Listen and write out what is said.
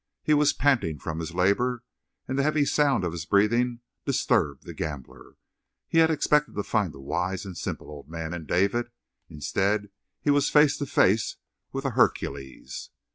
He was panting from his labor, and the heavy sound of his breathing disturbed the gambler. He had expected to find a wise and simple old man in David. Instead, he was face to face with a Hercules.